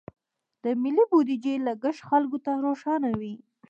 د ملي بودیجې لګښت خلکو ته روښانه وي.